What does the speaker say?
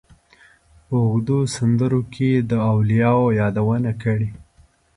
په اوږده سندره کې یې د اولیاوو یادونه کړې.